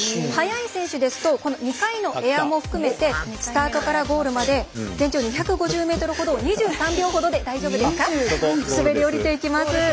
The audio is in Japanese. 速い選手ですと２回のエアも含めてスタートからゴールまで全長２５０ｍほどを２３秒ほどで滑り降りていきます。